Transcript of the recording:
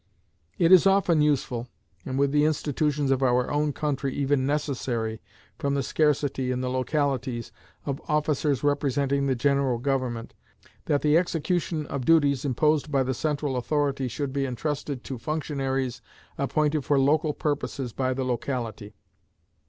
It is often useful, and with the institutions of our own country even necessary, from the scarcity, in the localities, of officers representing the general government, that the execution of duties imposed by the central authority should be intrusted to functionaries appointed for local purposes by the locality.